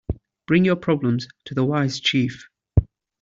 Bring your problems to the wise chief.